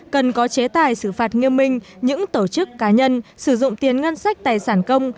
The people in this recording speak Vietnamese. cần có chế tài xử phạt nghiêm minh những tổ chức cá nhân sử dụng tiền ngân sách tài sản công